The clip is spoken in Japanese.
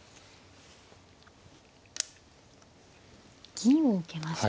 銀を受けました。